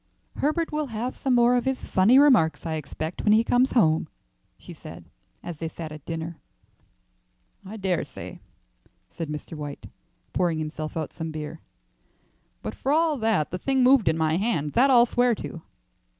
"Herbert will have some more of his funny remarks, I expect, when he comes home," she said, as they sat at dinner. "I dare say," said Mr. White, pouring himself out some beer; "but for all that, the thing moved in my hand; that I'll swear to."